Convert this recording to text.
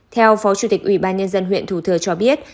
theo phó chủ tịch ủy ban nhân dân huyện thủ thừa cho biết